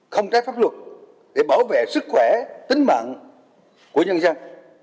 không trái pháp luật để bảo vệ sức khỏe tính mạng của nhân dân